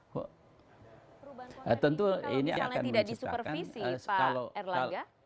kalau misalnya tidak disupervisi pak erlaga